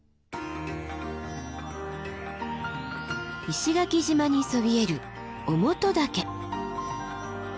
石垣島にそびえる於茂登岳。